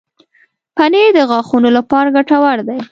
پنېر د غاښونو لپاره ګټور دی.